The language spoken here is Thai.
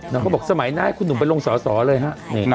เราก็บอกสมัยให้คุณหนุ่มไปลงศอสอเลยค่ะ